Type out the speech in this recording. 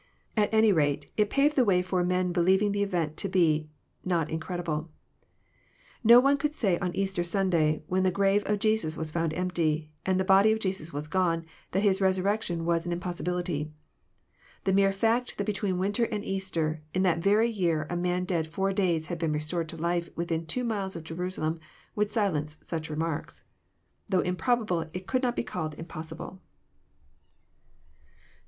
At any rate it paved the way for men believ ing the event to be not incredible. No one could say on Easter Sunday, when the grave of Jesus was found empty, and the body of Jesus was gone, that His resurrection was an impossi bility. The mere fact that between winter and Easter in that very year a man dead four days had been restored to life within two miles of Jerusalem would silence such remarks. Though improbable, it could not be called impossible.